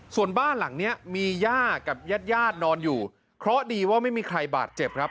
ส่วนบ้านหลังเนี้ยมีย่ากับญาติญาตินอนอยู่เคราะห์ดีว่าไม่มีใครบาดเจ็บครับ